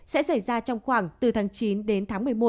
sẽ xảy ra trong khoảng từ tháng chín đến tháng một mươi một